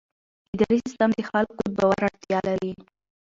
اداري سیستم د خلکو د باور اړتیا لري.